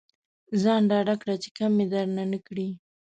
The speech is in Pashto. ځان ډاډه کړه چې کمې درنه نه کړي.